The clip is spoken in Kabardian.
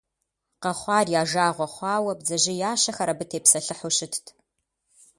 Къэхъуар я жагъуэ хъуауэ бдзэжьеящэхэр абы тепсэлъыхьу щытт.